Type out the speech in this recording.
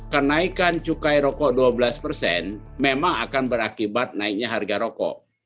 kenaikan cukai rokok dua belas persen memang akan berakibat naiknya harga rokok